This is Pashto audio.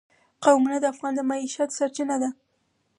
قومونه د افغانانو د معیشت سرچینه ده.